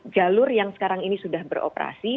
jalur yang sekarang ini sudah beroperasi